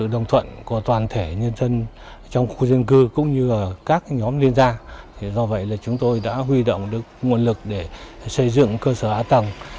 do vậy là chúng tôi đã huy động được nguồn lực để xây dựng cơ sở ả tầng